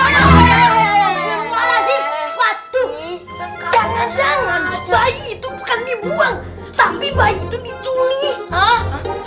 jangan jangan itu kan dibuang tapi baik itu diculik